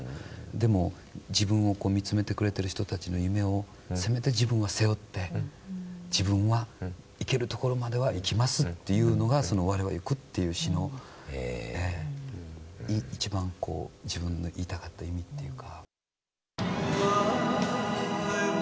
でも自分を見つめてくれてる人たちの夢を、せめて自分は背負って、自分は行けるところまでは行きますっていうところがその我は行くっていう詞の一番こう、自分のいいたかった意味っていうか。